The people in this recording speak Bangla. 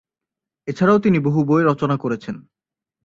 এছাড়াও তিনি বহু বই রচনা করেছেন।